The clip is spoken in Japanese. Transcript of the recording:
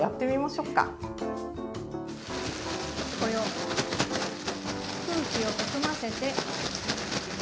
これを空気を含ませて。